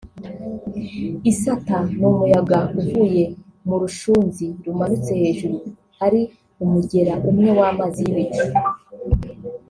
Isata ni umuyaga uvuye mu rushunzi rumanutse hejuru ari umugera umwe w’amazi y’ibicu